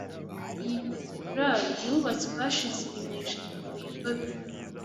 Iyi katedrali yubatswe hashize ibinyejana birenga bine.